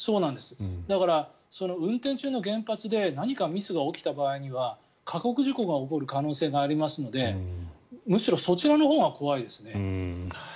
だから運転中の原発で何かミスが起きた場合には過酷事故が起こる可能性がありますのでむしろそちらのほうが怖いですね。